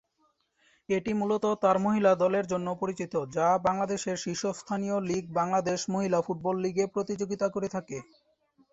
এটি মূলত তার মহিলা দলের জন্য পরিচিত যা দেশের শীর্ষস্থানীয় লীগ বাংলাদেশ মহিলা ফুটবল লীগে প্রতিযোগিতা করে থাকে।